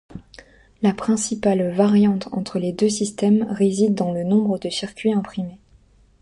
La principale variante entre les deux systèmes réside dans le nombre de circuits imprimés.